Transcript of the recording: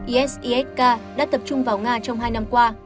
isis k đã tập trung vào nga trong hai năm qua